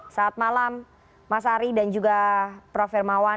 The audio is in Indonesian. selamat malam mas ari dan juga prof hermawan